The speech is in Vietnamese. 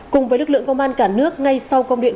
cùng với lực lượng công an cả nước ngay sau công điện